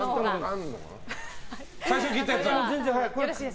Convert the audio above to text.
最初に切ったやつ。